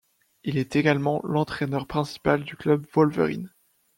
Il est également l'entraîneur principal du Club Wolverine.